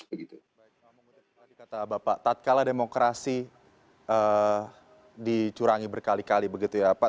baik pak tadi kata bapak tatkala demokrasi dicurangi berkali kali begitu ya pak